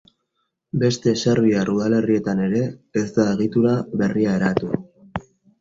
Beste serbiar udalerrietan ere ez da egitura berria eratu.